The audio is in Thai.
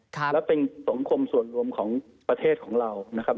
และเป็นสังคมส่วนรวมของประเทศของเรานะครับ